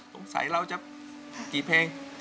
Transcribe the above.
ต้องใส่เราจะกี่เพลง